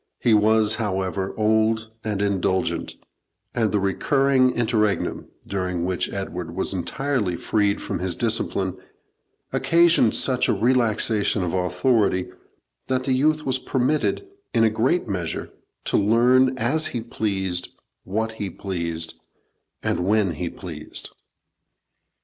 He was, however, old and indulgent, and the recurring interregnum, during which Edward was entirely freed from his discipline, occasioned such a relaxation of authority, that the youth was permitted, in a great measure, to learn as he pleased, what he pleased, and when he pleased.